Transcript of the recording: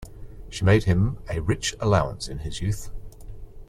She made him a rich allowance in his youth.